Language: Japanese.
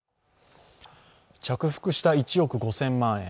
着服した１億５０００万円。